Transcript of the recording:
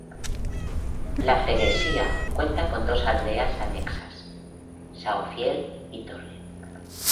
La "freguesia" cuenta con dos aldeas anexas: São Fiel y Torre.